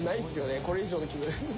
これ以上の気分。